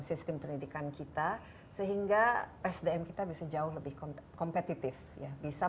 sistem pendidikan kita sehingga sdm kita bisa jauh lebih kompetitif ya bisa